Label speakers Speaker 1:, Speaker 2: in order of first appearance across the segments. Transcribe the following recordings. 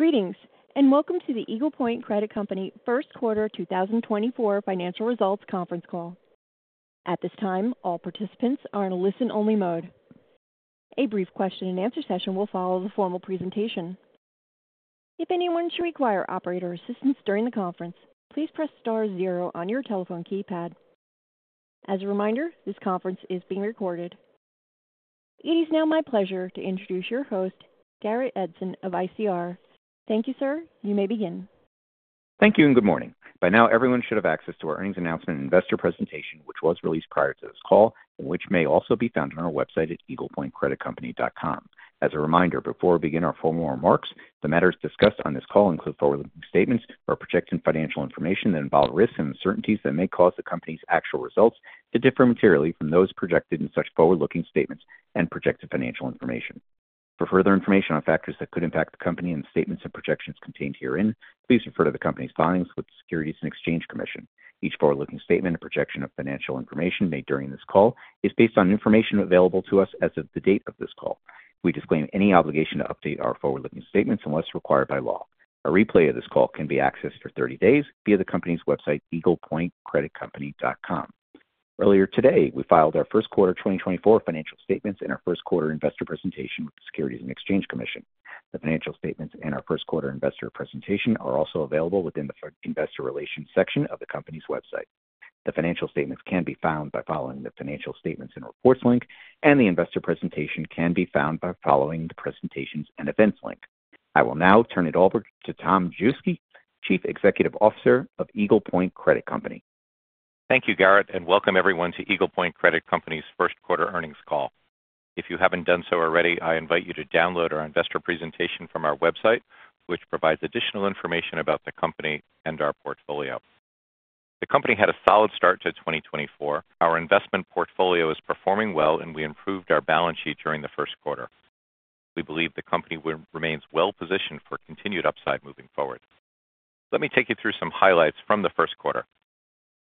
Speaker 1: Greetings, and welcome to the Eagle Point Credit Company first quarter 2024 financial results conference call. At this time, all participants are in a listen-only mode. A brief question and answer session will follow the formal presentation. If anyone should require operator assistance during the conference, please press star zero on your telephone keypad. As a reminder, this conference is being recorded. It is now my pleasure to introduce your host, Garrett Edson of ICR. Thank you, sir. You may begin.
Speaker 2: Thank you, and good morning. By now, everyone should have access to our earnings announcement investor presentation, which was released prior to this call, and which may also be found on our website at eaglepointcreditcompany.com. As a reminder, before we begin our formal remarks, the matters discussed on this call include forward-looking statements or projected financial information that involve risks and uncertainties that may cause the company's actual results to differ materially from those projected in such forward-looking statements and projected financial information. For further information on factors that could impact the company and the statements and projections contained herein, please refer to the company's filings with the Securities and Exchange Commission. Each forward-looking statement and projection of financial information made during this call is based on information available to us as of the date of this call. We disclaim any obligation to update our forward-looking statements unless required by law. A replay of this call can be accessed for 30 days via the company's website, eaglepointcreditcompany.com. Earlier today, we filed our first quarter 2024 financial statements and our first quarter investor presentation with the Securities and Exchange Commission. The financial statements and our first quarter investor presentation are also available within the Investor Relations section of the company's website. The financial statements can be found by following the Financial Statements and Reports link, and the investor presentation can be found by following the Presentations and Events link. I will now turn it over to Tom Majewski, Chief Executive Officer of Eagle Point Credit Company.
Speaker 3: Thank you, Garrett, and welcome everyone to Eagle Point Credit Company's first quarter earnings call. If you haven't done so already, I invite you to download our investor presentation from our website, which provides additional information about the company and our portfolio. The company had a solid start to 2024. Our investment portfolio is performing well and we improved our balance sheet during the first quarter. We believe the company remains well positioned for continued upside moving forward. Let me take you through some highlights from the first quarter.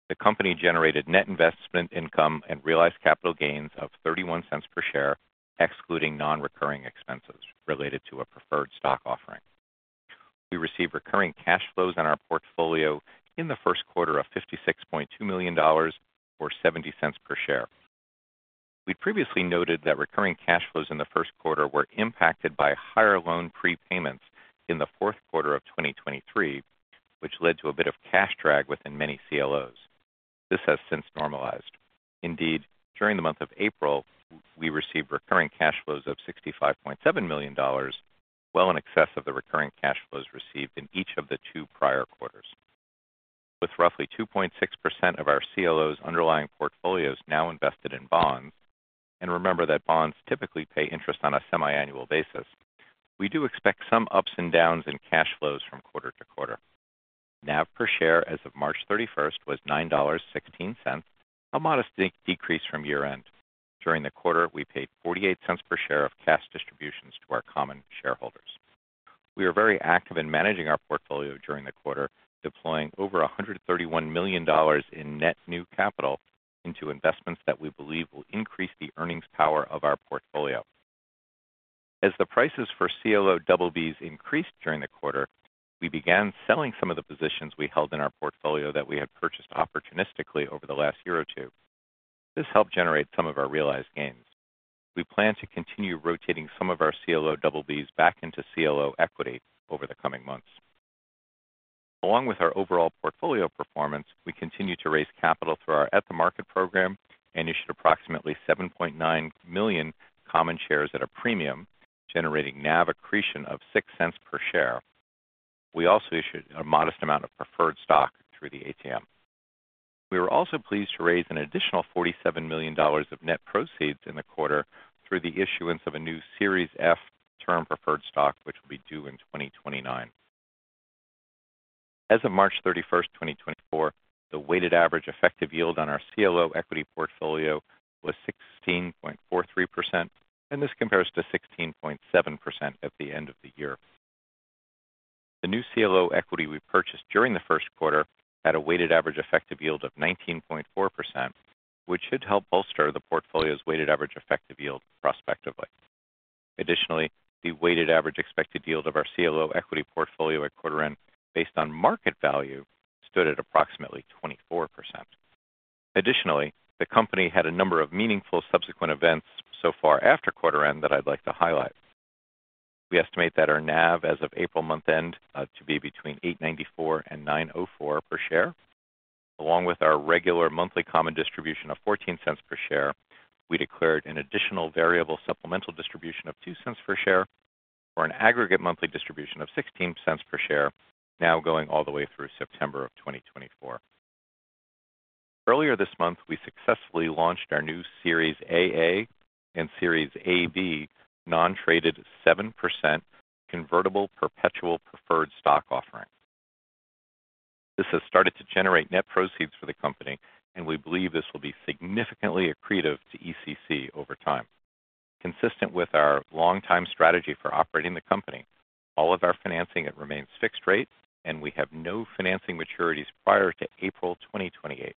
Speaker 3: The company generated net investment income and realized capital gains of $0.31 per share, excluding non-recurring expenses related to a preferred stock offering. We received recurring cash flows on our portfolio in the first quarter of $56.2 million, or $0.70 per share. We previously noted that recurring cash flows in the first quarter were impacted by higher loan prepayments in the fourth quarter of 2023, which led to a bit of cash drag within many CLOs. This has since normalized. Indeed, during the month of April, we received recurring cash flows of $65.7 million, well in excess of the recurring cash flows received in each of the two prior quarters. With roughly 2.6% of our CLOs underlying portfolios now invested in bonds, and remember that bonds typically pay interest on a semiannual basis, we do expect some ups and downs in cash flows from quarter to quarter. NAV per share as of March 31st was $9.16, a modest decrease from year-end. During the quarter, we paid $0.48 per share of cash distributions to our common shareholders. We are very active in managing our portfolio during the quarter, deploying over $131 million in net new capital into investments that we believe will increase the earnings power of our portfolio. As the prices for CLO BBs increased during the quarter, we began selling some of the positions we held in our portfolio that we had purchased opportunistically over the last year or two. This helped generate some of our realized gains. We plan to continue rotating some of our CLO BBs back into CLO equity over the coming months. Along with our overall portfolio performance, we continued to raise capital through our at-the-market program and issued approximately 7.9 million common shares at a premium, generating NAV accretion of $0.06 per share. We also issued a modest amount of preferred stock through the ATM. We were also pleased to raise an additional $47 million of net proceeds in the quarter through the issuance of a new Series F term preferred stock, which will be due in 2029. As of March 31, 2024, the weighted average effective yield on our CLO equity portfolio was 16.43%, and this compares to 16.7% at the end of the year. The new CLO equity we purchased during the first quarter had a weighted average effective yield of 19.4%, which should help bolster the portfolio's weighted average effective yield prospectively. Additionally, the weighted average expected yield of our CLO equity portfolio at quarter end, based on market value, stood at approximately 24%. Additionally, the company had a number of meaningful subsequent events so far after quarter end that I'd like to highlight. We estimate that our NAV as of April month-end to be between $8.94 and $9.04 per share. Along with our regular monthly common distribution of $0.14 per share, we declared an additional variable supplemental distribution of $0.02 per share for an aggregate monthly distribution of $0.16 per share, now going all the way through September of 2024. Earlier this month, we successfully launched our new Series AA and Series AB non-traded 7% convertible perpetual preferred stock offering. This has started to generate net proceeds for the company, and we believe this will be significantly accretive to ECC over time. Consistent with our longtime strategy for operating the company, all of our financing, it remains fixed rate, and we have no financing maturities prior to April 2028.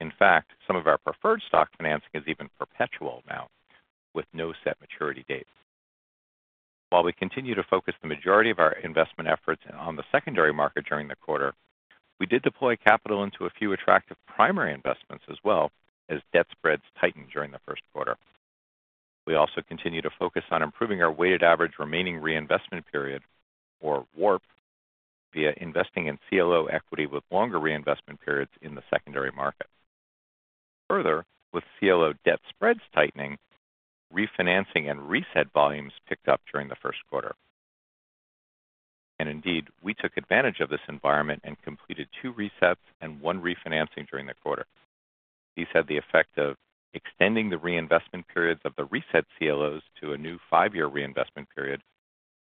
Speaker 3: In fact, some of our preferred stock financing is even perpetual now, with no set maturity date. While we continue to focus the majority of our investment efforts on the secondary market during the quarter, we did deploy capital into a few attractive primary investments as well, as debt spreads tightened during the first quarter. We also continue to focus on improving our weighted average remaining reinvestment period, or WARP, via investing in CLO equity with longer reinvestment periods in the secondary market. Further, with CLO debt spreads tightening, refinancing and reset volumes picked up during the first quarter. And indeed, we took advantage of this environment and completed two resets and one refinancing during the quarter. These had the effect of extending the reinvestment periods of the reset CLOs to a new five-year reinvestment period,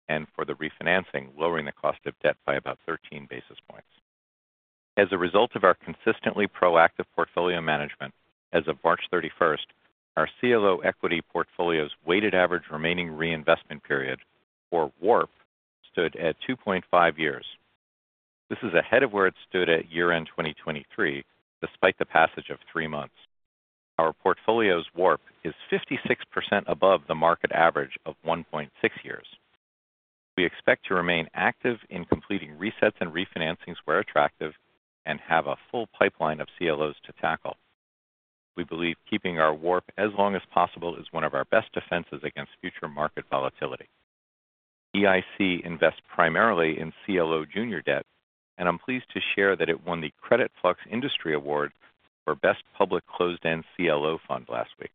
Speaker 3: and for the refinancing, lowering the cost of debt by about 13 basis points. As a result of our consistently proactive portfolio management, as of March 31st, our CLO equity portfolio's weighted average remaining reinvestment period, or WARP, stood at 2.5 years. This is ahead of where it stood at year-end 2023, despite the passage of three months. Our portfolio's WARP is 56% above the market average of 1.6 years. We expect to remain active in completing resets and refinancings where attractive, and have a full pipeline of CLOs to tackle. We believe keeping our WARP as long as possible is one of our best defenses against future market volatility. EIC invests primarily in CLO junior debt, and I'm pleased to share that it won the Creditflux Industry Award for Best Public Closed-End CLO Fund last week.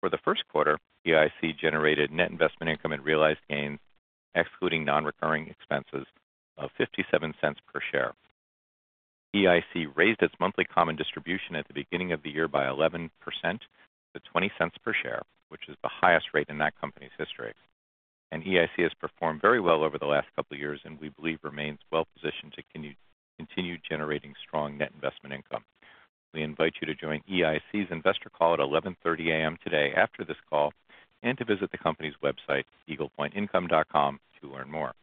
Speaker 3: For the first quarter, EIC generated net investment income and realized gains, excluding non-recurring expenses, of $0.57 per share. EIC raised its monthly common distribution at the beginning of the year by 11% to $0.20 per share, which is the highest rate in that company's history. EIC has performed very well over the last couple of years, and we believe remains well positioned to continue generating strong net investment income. We invite you to join EIC's investor call at 11:30 A.M. today after this call, and to visit the company's website, eaglepointincome.com, to learn more.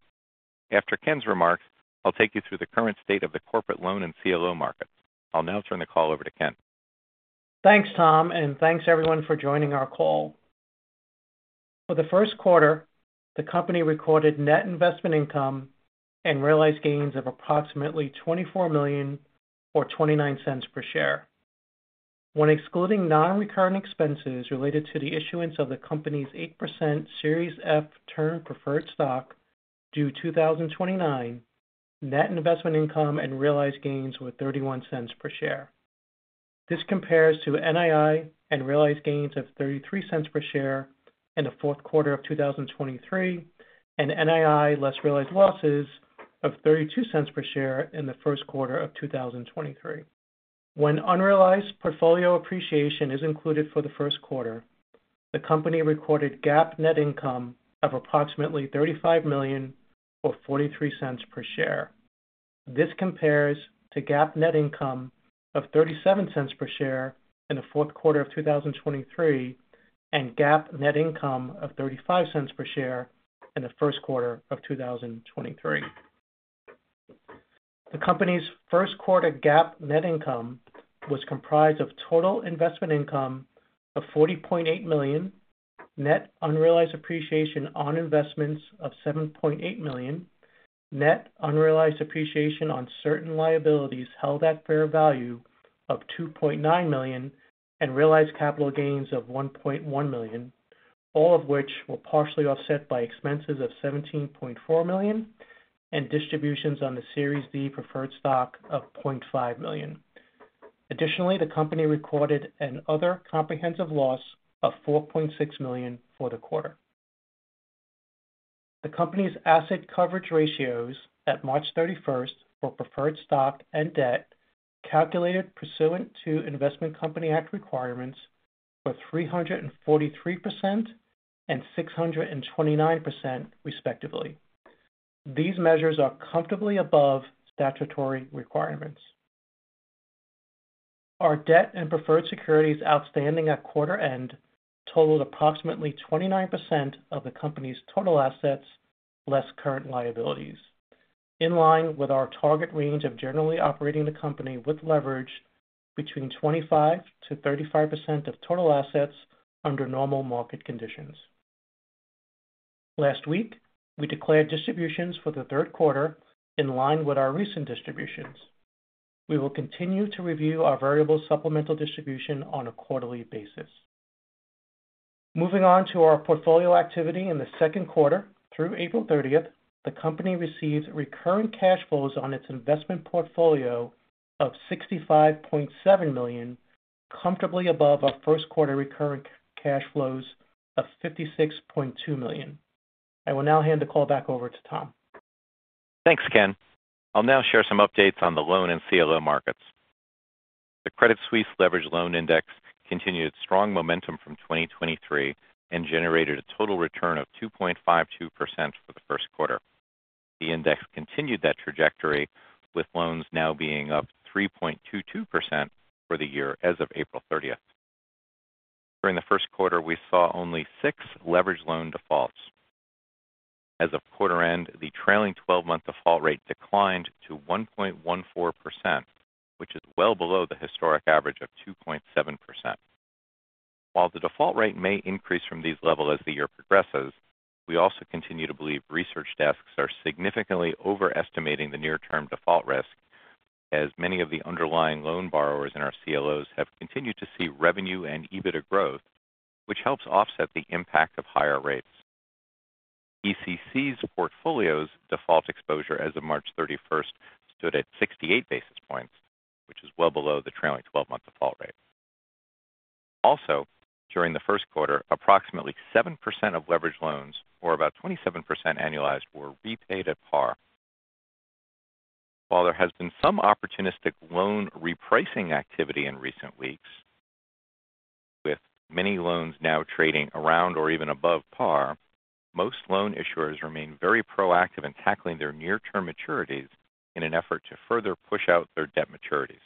Speaker 3: After Ken's remarks, I'll take you through the current state of the corporate loan and CLO market. I'll now turn the call over to Ken.
Speaker 4: Thanks, Tom, and thanks everyone for joining our call. For the first quarter, the company recorded net investment income and realized gains of approximately $24 million or $0.29 per share. When excluding non-recurring expenses related to the issuance of the company's 8% Series F Term Preferred Stock due 2029, net investment income and realized gains were $0.31 per share. This compares to NII and realized gains of $0.33 per share in the fourth quarter of 2023, and NII less realized losses of $0.32 per share in the first quarter of 2023. When unrealized portfolio appreciation is included for the first quarter, the company recorded GAAP net income of approximately $35 million or $0.43 per share. This compares to GAAP net income of $0.37 per share in the fourth quarter of 2023, and GAAP net income of $0.35 per share in the first quarter of 2023. The company's first quarter GAAP net income was comprised of total investment income of $40.8 million, net unrealized appreciation on investments of $7.8 million, net unrealized appreciation on certain liabilities held at fair value of $2.9 million, and realized capital gains of $1.1 million, all of which were partially offset by expenses of $17.4 million and distributions on the Series B Preferred Stock of $0.5 million. Additionally, the company recorded an other comprehensive loss of $4.6 million for the quarter. The company's asset coverage ratios at March 31st for preferred stock and debt, calculated pursuant to Investment Company Act requirements, were 343% and 629%, respectively. These measures are comfortably above statutory requirements. Our debt and preferred securities outstanding at quarter end totaled approximately 29% of the company's total assets, less current liabilities, in line with our target range of generally operating the company with leverage between 25%-35% of total assets under normal market conditions. Last week, we declared distributions for the third quarter in line with our recent distributions. We will continue to review our variable supplemental distribution on a quarterly basis. Moving on to our portfolio activity in the second quarter, through April 30th, the company received recurring cash flows on its investment portfolio of $65.7 million, comfortably above our first quarter recurring cash flows of $56.2 million. I will now hand the call back over to Tom.
Speaker 3: Thanks, Ken. I'll now share some updates on the loan and CLO markets. The Credit Suisse Leveraged Loan Index continued strong momentum from 2023 and generated a total return of 2.52% for the first quarter. The index continued that trajectory, with loans now being up 3.22% for the year as of April 30. During the first quarter, we saw only six leveraged loan defaults. As of quarter end, the trailing twelve-month default rate declined to 1.14%, which is well below the historic average of 2.7%. While the default rate may increase from these levels as the year progresses, we also continue to believe research desks are significantly overestimating the near-term default risk, as many of the underlying loan borrowers in our CLOs have continued to see revenue and EBITDA growth, which helps offset the impact of higher rates. ECC's portfolio's default exposure as of March 31st stood at 68 basis points, which is well below the trailing 12-month default rate. Also, during the first quarter, approximately 7% of leveraged loans, or about 27% annualized, were repaid at par. While there has been some opportunistic loan repricing activity in recent weeks, with many loans now trading around or even above par, most loan issuers remain very proactive in tackling their near-term maturities in an effort to further push out their debt maturities.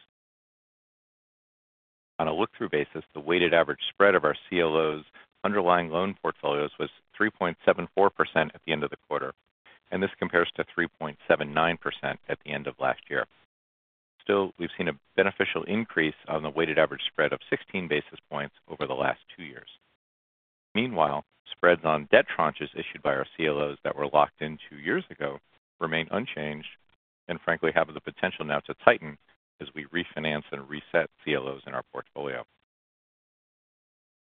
Speaker 3: On a look-through basis, the weighted average spread of our CLOs underlying loan portfolios was 3.74% at the end of the quarter, and this compares to 3.79% at the end of last year. Still, we've seen a beneficial increase on the weighted average spread of 16 basis points over the last two years. Meanwhile, spreads on debt tranches issued by our CLOs that were locked in two years ago remain unchanged and frankly have the potential now to tighten as we refinance and reset CLOs in our portfolio.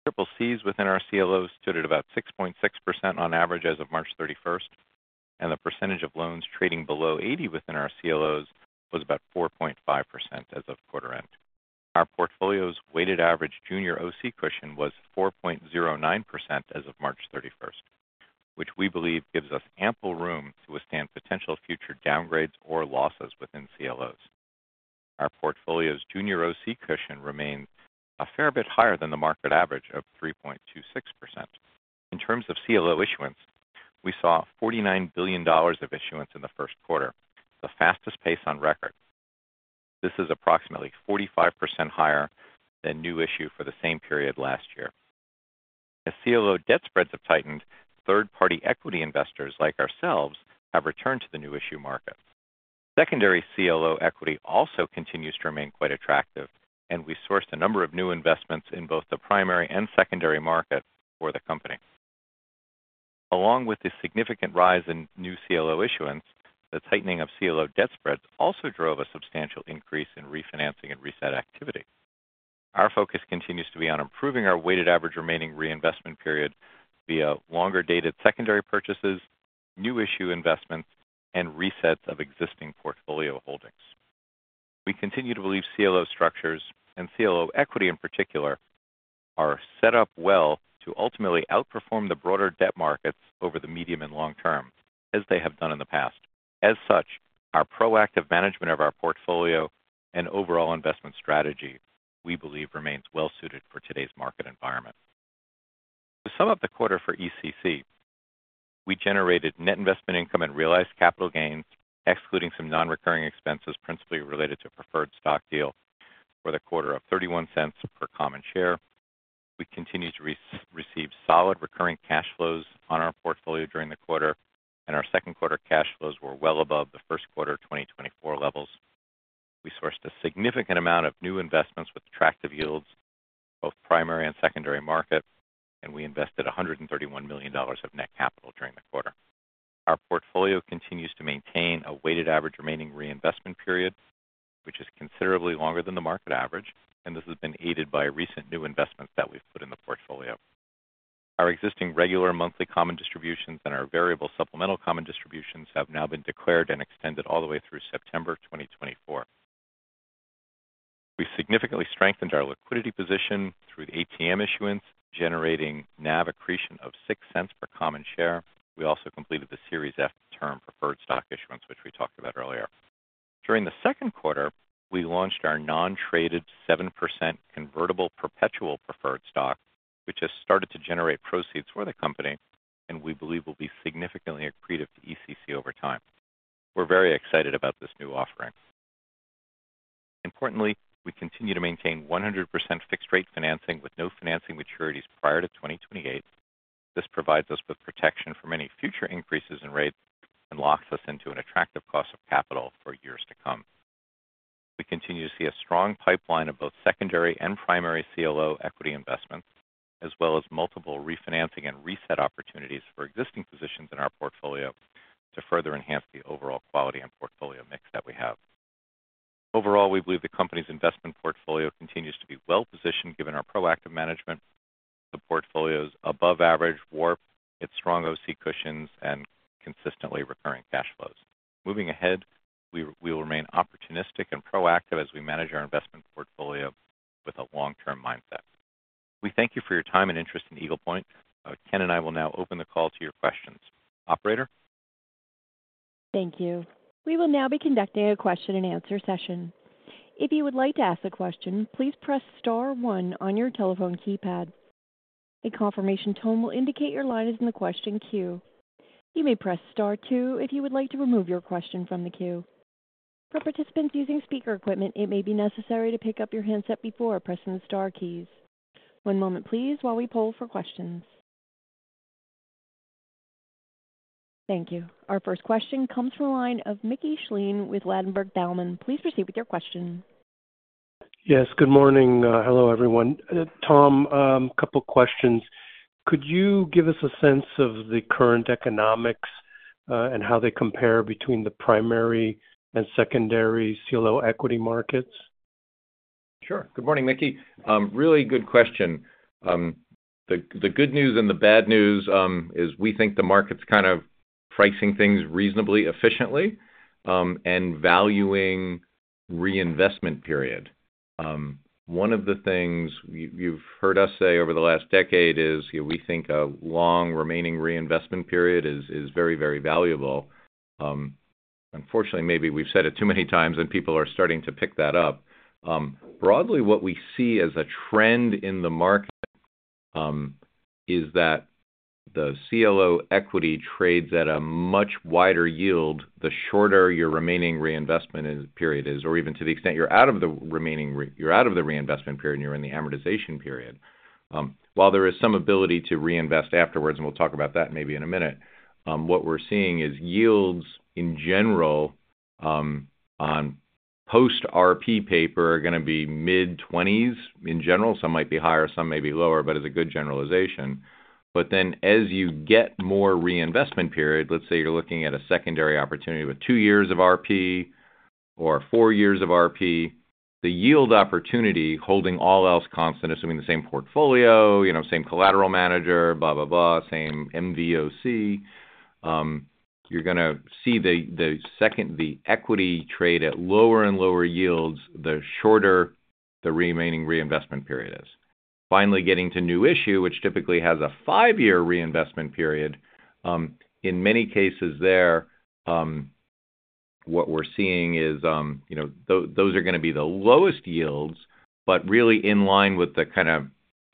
Speaker 3: CCCs within our CLOs stood at about 6.6% on average as of March 31st, and the percentage of loans trading below 80 within our CLOs was about 4.5% as of quarter end. Our portfolio's weighted average junior OC cushion was 4.09% as of March thirty-first, which we believe gives us ample room to withstand potential future downgrades or losses within CLOs. Our portfolio's junior OC cushion remains a fair bit higher than the market average of 3.26%. In terms of CLO issuance, we saw $49 billion of issuance in the first quarter, the fastest pace on record. This is approximately 45% higher than new issue for the same period last year. As CLO debt spreads have tightened, third-party equity investors like ourselves have returned to the new issue market. Secondary CLO equity also continues to remain quite attractive, and we sourced a number of new investments in both the primary and secondary market for the company. Along with the significant rise in new CLO issuance, the tightening of CLO debt spreads also drove a substantial increase in refinancing and reset activity. Our focus continues to be on improving our weighted average remaining reinvestment period via longer-dated secondary purchases, new issue investments, and resets of existing portfolio holdings. We continue to believe CLO structures, and CLO equity in particular, are set up well to ultimately outperform the broader debt markets over the medium and long term, as they have done in the past. As such, our proactive management of our portfolio and overall investment strategy, we believe, remains well suited for today's market environment. To sum up the quarter for ECC, we generated net investment income and realized capital gains, excluding some non-recurring expenses principally related to preferred stock deal for the quarter of $0.31 per common share. We continued to receive solid recurring cash flows on our portfolio during the quarter, and our second quarter cash flows were well above the first quarter 2024 levels. We sourced a significant amount of new investments with attractive yields, both primary and secondary market, and we invested $131 million of net capital during the quarter. Our portfolio continues to maintain a weighted average remaining reinvestment period, which is considerably longer than the market average, and this has been aided by recent new investments that we've put in the portfolio. Our existing regular monthly common distributions and our variable supplemental common distributions have now been declared and extended all the way through September 2024. We significantly strengthened our liquidity position through the ATM issuance, generating NAV accretion of $0.06 per common share. We also completed the Series F Term Preferred Stock issuance, which we talked about earlier. During the second quarter, we launched our non-traded 7% convertible perpetual preferred stock, which has started to generate proceeds for the company and we believe will be significantly accretive to ECC over time. We're very excited about this new offering. Importantly, we continue to maintain 100% fixed rate financing with no financing maturities prior to 2028. This provides us with protection from any future increases in rates and locks us into an attractive cost of capital for years to come. We continue to see a strong pipeline of both secondary and primary CLO equity investments, as well as multiple refinancing and reset opportunities for existing positions in our portfolio to
Speaker 1: Thank you. Our first question comes from the line of Mickey Schleien with Ladenburg Thalmann. Please proceed with your question.
Speaker 5: Yes, good morning. Hello, everyone. Tom, a couple questions. Could you give us a sense of the current economics, and how they compare between the primary and secondary CLO equity markets?
Speaker 3: Sure. Good morning, Mickey. Really good question. The good news and the bad news is we think the market's kind of pricing things reasonably efficiently, and valuing reinvestment period. One of the things you, you've heard us say over the last decade is we think a long remaining reinvestment period is very, very valuable. Unfortunately, maybe we've said it too many times, and people are starting to pick that up. Broadly, what we see as a trend in the market is that the CLO equity trades at a much wider yield, the shorter your remaining reinvestment period is, or even to the extent you're out of the reinvestment period, and you're in the amortization period. While there is some ability to reinvest afterwards, and we'll talk about that maybe in a minute, what we're seeing is yields, in general, on post-RP paper, are gonna be mid-20s in general. Some might be higher, some may be lower, but it's a good generalization. But then, as you get more reinvestment period, let's say you're looking at a secondary opportunity with two years of RP or four years of RP, the yield opportunity, holding all else constant, assuming the same portfolio, you know, same collateral manager, blah, blah, blah, same MVOC, you're gonna see the secondary equity trade at lower and lower yields, the shorter the remaining reinvestment period is. Finally, getting to new issue, which typically has a five-year reinvestment period, in many cases there, what we're seeing is, you know, those are gonna be the lowest yields, but really in line with the kind of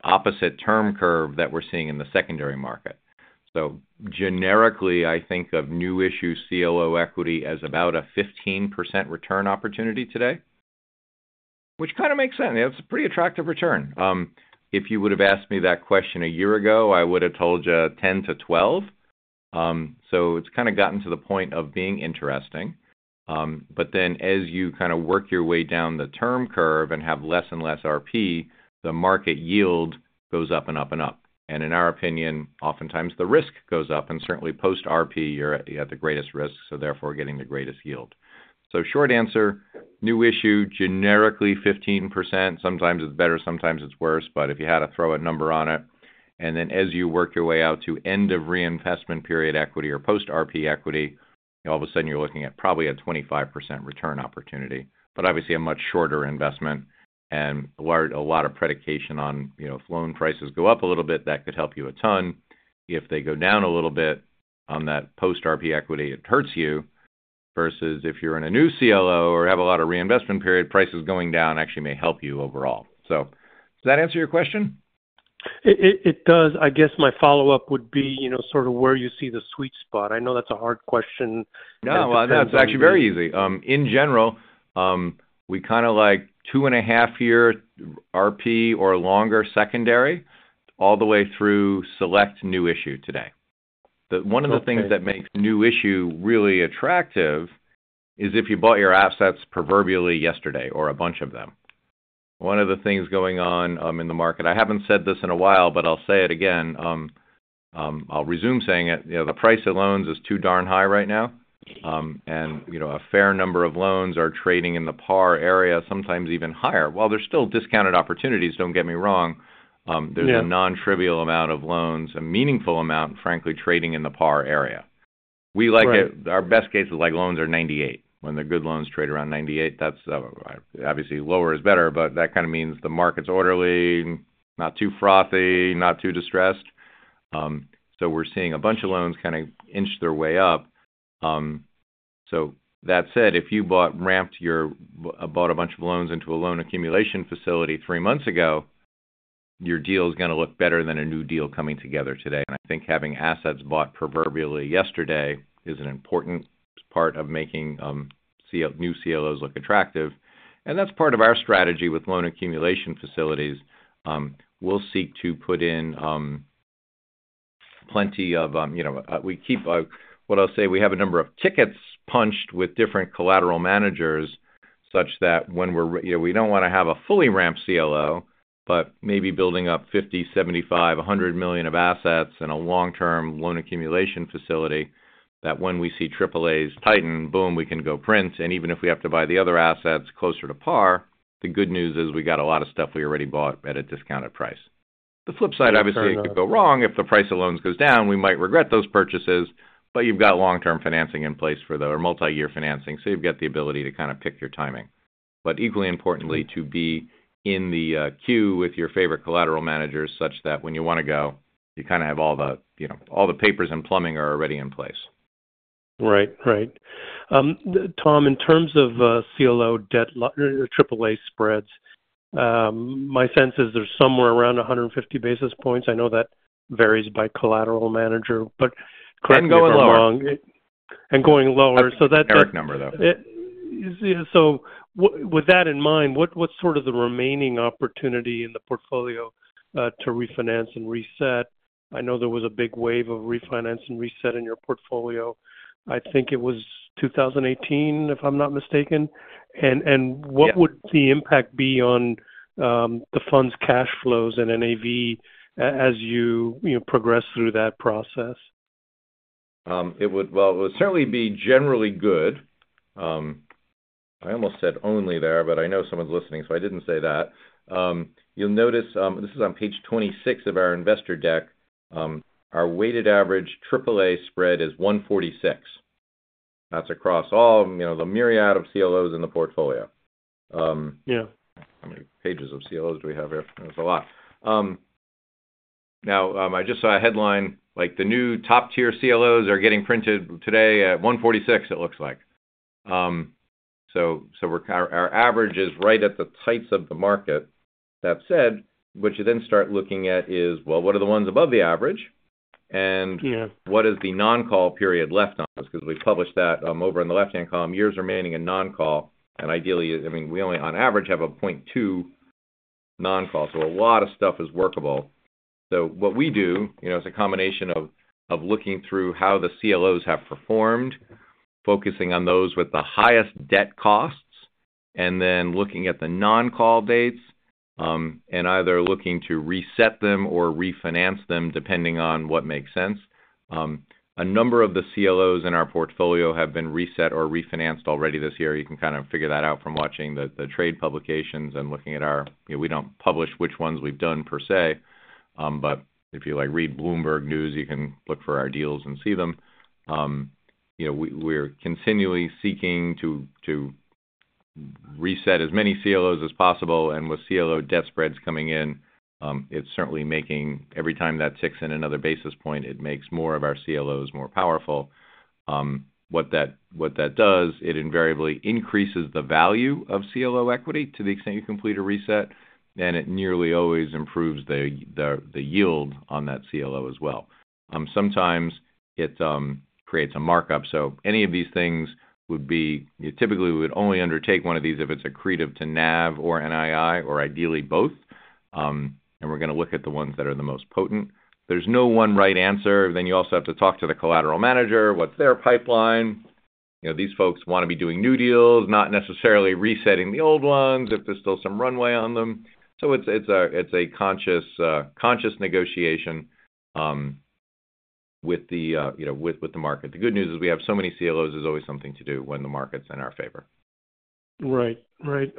Speaker 3: opposite term curve that we're seeing in the secondary market. So generically, I think of new issue CLO equity as about a 15% return opportunity today, which kind of makes sense. It's a pretty attractive return. If you would have asked me that question a year ago, I would have told you 10%-12%. So it's kind of gotten to the point of being interesting. But then as you kind of work your way down the term curve and have less and less RP, the market yield goes up and up and up. And in our opinion, oftentimes the risk goes up, and certainly post-RP, you're at, you have the greatest risk, so therefore, getting the greatest yield. So short answer, new issue, generically 15%. Sometimes it's better, sometimes it's worse. But if you had to throw a number on it, and then as you work your way out to end of reinvestment period equity or post-RP equity, all of a sudden you're looking at probably a 25% return opportunity, but obviously a much shorter investment and largely predicated on, you know, if loan prices go up a little bit, that could help you a ton. If they go down a little bit on that post-RP equity, it hurts you. Versus if you're in a new CLO or have a lot of reinvestment period, prices going down actually may help you overall. So does that answer your question?
Speaker 5: It does. I guess my follow-up would be, you know, sort of where you see the sweet spot. I know that's a hard question.
Speaker 3: No, no, it's actually very easy. In general, we kind of like two and a half year RP or longer secondary, all the way through select new issue today.
Speaker 5: Okay.
Speaker 3: One of the things that makes new issue really attractive is if you bought your assets proverbially yesterday or a bunch of them. One of the things going on in the market, I haven't said this in a while, but I'll say it again, I'll resume saying it: you know, the price of loans is too darn high right now. You know, a fair number of loans are trading in the par area, sometimes even higher. While there's still discounted opportunities, don't get me wrong,
Speaker 5: Yeah...
Speaker 3: there's a non-trivial amount of loans, a meaningful amount, frankly, trading in the par area.
Speaker 5: Right.
Speaker 3: We like it... Our best case is, like, loans are 98. When the good loans trade around 98, that's obviously, lower is better, but that kind of means the market's orderly, not too frothy, not too distressed. So we're seeing a bunch of loans kind of inch their way up. So that said, if you bought a bunch of loans into a loan accumulation facility three months ago, your deal is gonna look better than a new deal coming together today. And I think having assets bought proverbially yesterday is an important part of making new CLOs look attractive, and that's part of our strategy with loan accumulation facilities. We'll seek to put in plenty of, you know, what I'll say, we have a number of tickets punched with different collateral managers, such that when we're You know, we don't wanna have a fully ramped CLO, but maybe building up $50 million, $75 million, $100 million of assets in a long-term loan accumulation facility, that when we see AAAs tighten, boom, we can go print. And even if we have to buy the other assets closer to par, the good news is we got a lot of stuff we already bought at a discounted price.
Speaker 5: Fair enough.
Speaker 3: The flip side, obviously, it could go wrong. If the price of loans goes down, we might regret those purchases, but you've got long-term financing in place for the multi-year financing, so you've got the ability to kind of pick your timing. But equally importantly, to be in the queue with your favorite collateral managers, such that when you wanna go, you kind of have all the, you know, all the papers and plumbing are already in place.
Speaker 5: Right. Right. Tom, in terms of CLO debt, AAA spreads, my sense is they're somewhere around 150 basis points. I know that varies by collateral manager, but-
Speaker 3: And going lower.
Speaker 5: Going lower, so that-
Speaker 3: EIC number, though.
Speaker 5: So with that in mind, what's sort of the remaining opportunity in the portfolio to refinance and reset? I know there was a big wave of refinance and reset in your portfolio. I think it was 2018, if I'm not mistaken.
Speaker 3: Yeah...
Speaker 5: what would the impact be on the fund's cash flows and NAV as you, you know, progress through that process?
Speaker 3: Well, it would certainly be generally good. I almost said only there, but I know someone's listening, so I didn't say that. You'll notice, this is on page 26 of our investor deck, our weighted average AAA spread is 146. That's across all, you know, the myriad of CLOs in the portfolio.
Speaker 5: Yeah.
Speaker 3: How many pages of CLOs do we have here? There's a lot. Now, I just saw a headline, like the new top-tier CLOs are getting printed today at 146, it looks like. So, so we're, our, our average is right at the heights of the market. That said, what you then start looking at is, well, what are the ones above the average? And-
Speaker 5: Yeah...
Speaker 3: what is the non-call period left on this? Because we published that, over in the left-hand column, years remaining in non-call, and ideally, I mean, we only on average have a 0.2 non-call, so a lot of stuff is workable. So what we do, you know, is a combination of looking through how the CLOs have performed, focusing on those with the highest debt costs, and then looking at the non-call dates, and either looking to reset them or refinance them, depending on what makes sense. A number of the CLOs in our portfolio have been reset or refinanced already this year. You can kind of figure that out from watching the trade publications and looking at our... You know, we don't publish which ones we've done per se, but if you like read Bloomberg News, you can look for our deals and see them. You know, we, we're continually seeking to reset as many CLOs as possible, and with CLO debt spreads coming in, it's certainly making every time that ticks in another basis point, it makes more of our CLOs more powerful. What that does, it invariably increases the value of CLO equity to the extent you complete a reset, and it nearly always improves the yield on that CLO as well. Sometimes it creates a markup. So any of these things would be. Typically, we would only undertake one of these if it's accretive to NAV or NII, or ideally both. And we're gonna look at the ones that are the most potent. There's no one right answer. Then you also have to talk to the collateral manager, what's their pipeline. You know, these folks wanna be doing new deals, not necessarily resetting the old ones, if there's still some runway on them. So it's a conscious negotiation with the market. The good news is, we have so many CLOs, there's always something to do when the market's in our favor.
Speaker 5: Right. Right.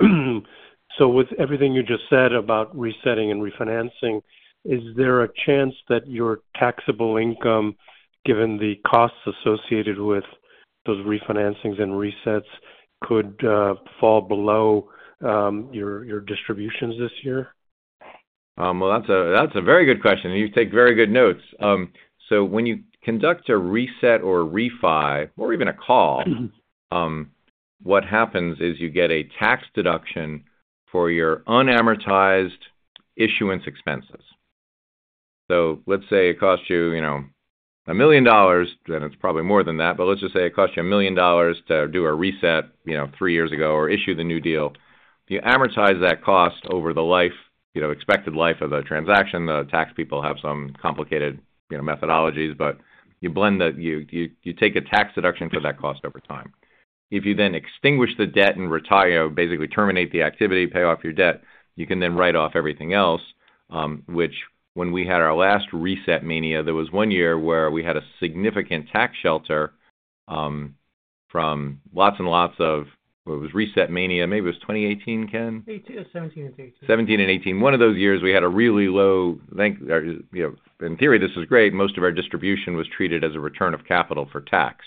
Speaker 5: So with everything you just said about resetting and refinancing, is there a chance that your taxable income, given the costs associated with those refinancings and resets, could fall below your distributions this year?
Speaker 3: Well, that's a, that's a very good question, and you take very good notes. So when you conduct a reset or refi, or even a call-
Speaker 5: Mm-hmm...
Speaker 3: what happens is you get a tax deduction for your unamortized issuance expenses. So let's say it costs you, you know, $1 million, then it's probably more than that, but let's just say it costs you $1 million to do a reset, you know, three years ago, or issue the new deal. You amortize that cost over the life, you know, expected life of the transaction. The tax people have some complicated, you know, methodologies, but you take a tax deduction for that cost over time. If you then extinguish the debt and retire, basically terminate the activity, pay off your debt, you can then write off everything else, which when we had our last reset mania, there was one year where we had a significant tax shelter, from lots and lots of... What, it was reset mania. Maybe it was 2018, Ken?
Speaker 4: 2018 or 2017 and 2018.
Speaker 3: 2017 and 2018. One of those years, we had a really low, I think, you know, in theory, this is great. Most of our distribution was treated as a return of capital for tax.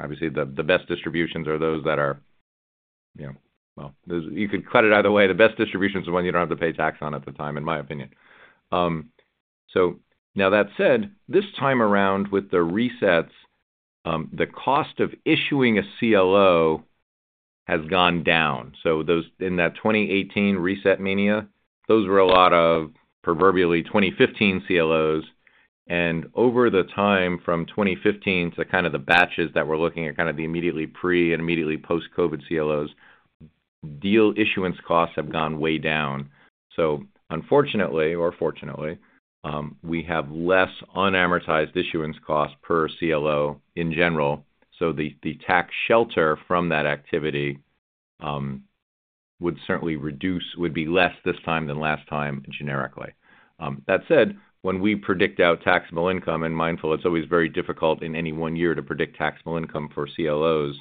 Speaker 3: Obviously, the best distributions are those that are, you know... Well, you could cut it either way. The best distributions are the ones you don't have to pay tax on at the time, in my opinion. So now that said, this time around, with the resets, the cost of issuing a CLO has gone down. So those-- in that 2018 reset mania, those were a lot of proverbially 2015 CLOs, and over the time from 2015 to kind of the batches that we're looking at, kind of the immediately pre- and immediately post-COVID CLOs, deal issuance costs have gone way down. So unfortunately or fortunately, we have less unamortized issuance costs per CLO in general, so the tax shelter from that activity would certainly reduce—would be less this time than last time, generically. That said, when we predict out taxable income and mindful, it's always very difficult in any one year to predict taxable income for CLOs.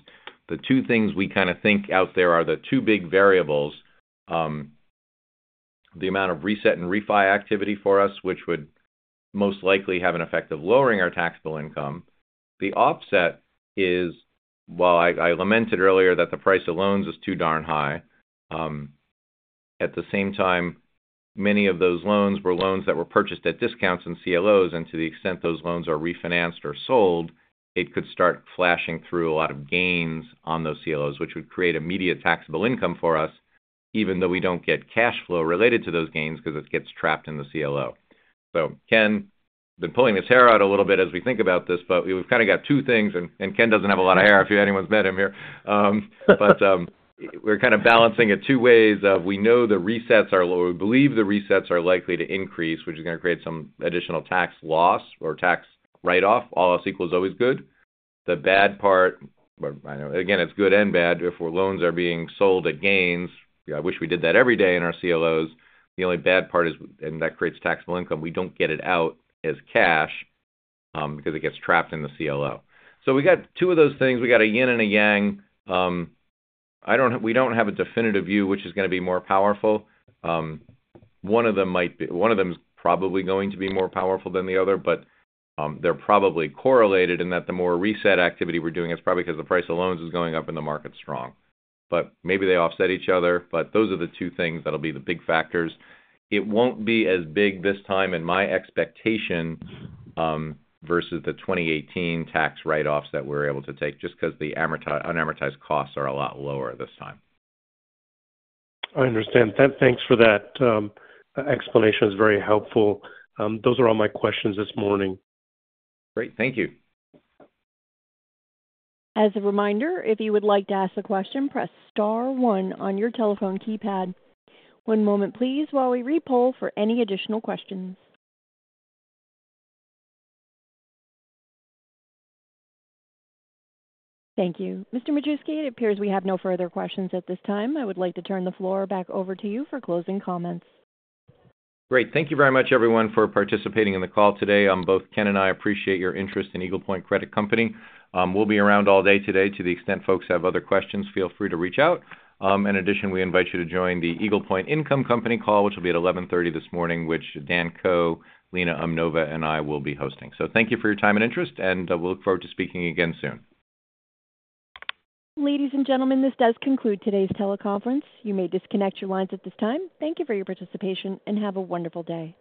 Speaker 3: The two things we kind of think out there are the two big variables, the amount of reset and refi activity for us, which would most likely have an effect of lowering our taxable income. The offset is, while I, I lamented earlier that the price of loans is too darn high, at the same time, many of those loans were loans that were purchased at discounts and CLOs, and to the extent those loans are refinanced or sold, it could start flashing through a lot of gains on those CLOs, which would create immediate taxable income for us... even though we don't get cash flow related to those gains, because it gets trapped in the CLO. So Ken been pulling his hair out a little bit as we think about this, but we've kind of got two things, and Ken doesn't have a lot of hair, if anyone's met him here. But, we're kind of balancing it two ways. We know the resets are low. We believe the resets are likely to increase, which is gonna create some additional tax loss or tax write-off. All else equal is always good. The bad part, but I know again, it's good and bad, if loans are being sold at gains, I wish we did that every day in our CLOs. The only bad part is, and that creates taxable income. We don't get it out as cash, because it gets trapped in the CLO. So we got two of those things. We got a yin and a yang. I don't have-- we don't have a definitive view, which is gonna be more powerful. One of them might be one of them is probably going to be more powerful than the other, but they're probably correlated in that the more reset activity we're doing, it's probably because the price of loans is going up and the market's strong. But maybe they offset each other. But those are the two things that'll be the big factors. It won't be as big this time in my expectation versus the 2018 tax write-offs that we're able to take, just because the unamortized costs are a lot lower this time.
Speaker 5: I understand. Thanks for that. Explanation is very helpful. Those are all my questions this morning.
Speaker 3: Great. Thank you.
Speaker 1: As a reminder, if you would like to ask a question, press star one on your telephone keypad. One moment please, while we re-poll for any additional questions. Thank you. Mr. Majewski, it appears we have no further questions at this time. I would like to turn the floor back over to you for closing comments.
Speaker 3: Great. Thank you very much, everyone, for participating in the call today. Both Ken and I appreciate your interest in Eagle Point Credit Company. We'll be around all day today. To the extent folks have other questions, feel free to reach out. In addition, we invite you to join the Eagle Point Income Company call, which will be at 11:30 A.M. this morning, which Dan Ko, Lena Umnova, and I will be hosting. So thank you for your time and interest, and we look forward to speaking again soon.
Speaker 1: Ladies and gentlemen, this does conclude today's teleconference. You may disconnect your lines at this time. Thank you for your participation, and have a wonderful day.